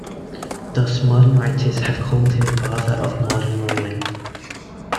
Thus modern writers have called him father of modern rolling.